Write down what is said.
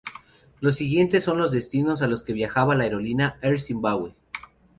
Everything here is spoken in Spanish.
Los siguientes son los destinos a los que viajaba la aerolínea Air Zimbabwe.